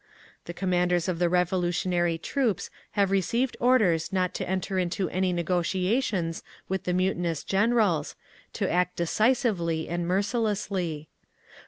The commanders of the revolutionary troops have received orders not to enter into any negotiations with the mutinous Generals, to act decisively and mercilessly.